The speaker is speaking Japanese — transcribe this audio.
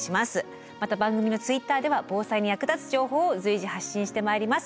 また番組のＴｗｉｔｔｅｒでは防災に役立つ情報を随時発信してまいります。